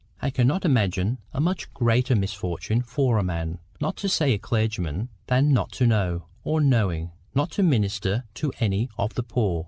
I cannot imagine a much greater misfortune for a man, not to say a clergyman, than not to know, or knowing, not to minister to any of the poor.